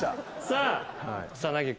さあ。